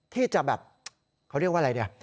ที่จะแบบเขาเรียกว่าอะไรเนี่ย